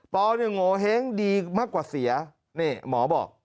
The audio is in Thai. โงเห้งดีมากกว่าเสียนี่หมอบอก